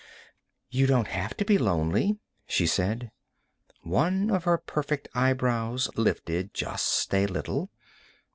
"You don't have to be lonely," she said. One of her perfect eyebrows lifted just a little.